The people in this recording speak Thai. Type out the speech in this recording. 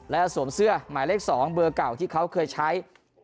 และสวมเสื้อหมายเลข๒เบอร์เก่าที่เขาเคยใช้